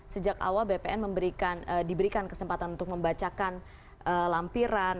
sejak awal bpn diberikan kesempatan untuk membacakan lampiran